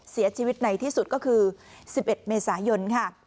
เสียชีวิตในที่สุดก็คือ๑๑เมษายนค่ะ